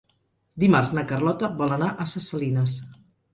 Dimarts na Carlota vol anar a Ses Salines.